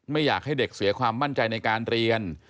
ไม่อยากให้เด็กเสียความมั่นใจในการเรียน